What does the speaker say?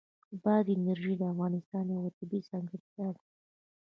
بادي انرژي د افغانستان یوه طبیعي ځانګړتیا ده.